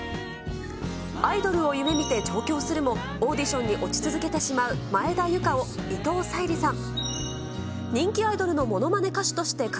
アイドルを夢みて上京するも、オーディションに落ち続けてしまう前田ゆかを伊藤さりさん。